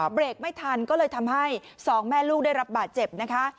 เบรกไม่ทันก็เลยทำให้สองแม่ลูกได้รับบาดเจ็บนะคะ